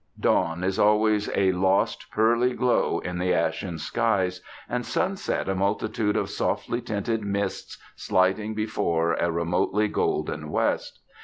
Dawn is always a lost pearly glow in the ashen skies, and sunset a multitude of softly tinted mists sliding before a remotely golden West.